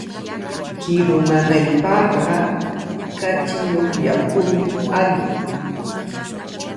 Kiru nanaypaqqa kachiyuq yakumi alli.